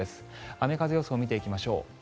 雨風予想を見ていきましょう。